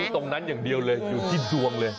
ตรงนั้นอย่างเดียวเลยอยู่ที่ดวงเลย